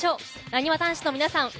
なにわ男子の皆さん